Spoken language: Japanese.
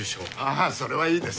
あぁそれはいいです。